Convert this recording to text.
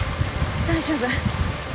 大丈夫？